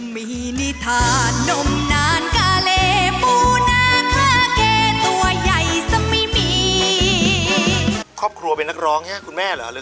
มีนิทานนมนานกะเล